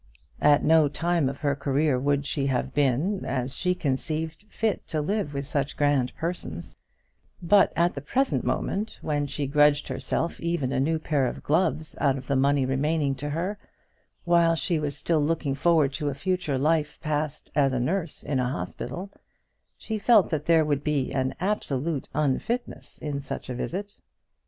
At no time of her career would she have been, as she conceived, fit to live with such grand persons; but at the present moment, when she grudged herself even a new pair of gloves out of the money remaining to her, while she was still looking forward to a future life passed as a nurse in a hospital, she felt that there would be an absolute unfitness in such a visit.